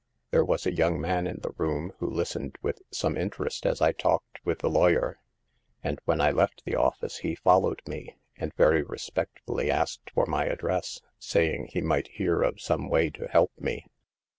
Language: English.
There was a young man in the room who listened with some interest as I talked with the lawyer ; and when I left the office, he followed me, and very respectfully asked for my address, saying he might hear of some way to help me.